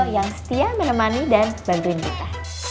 yang setia menemani dan bantuin kita